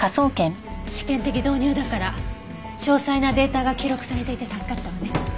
試験的導入だから詳細なデータが記録されていて助かったわね。